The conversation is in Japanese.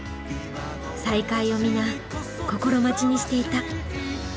再開を皆心待ちにしていた。